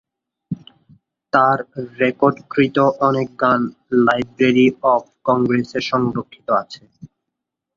তার রেকর্ডকৃত অনেক গান লাইব্রেরী অফ কংগ্রেসে সংরক্ষিত আছে।